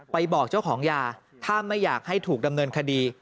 บอกเจ้าของยาถ้าไม่อยากให้ถูกดำเนินคดี